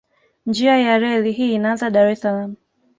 Njia ya reli hii inaanza Dar es Salaam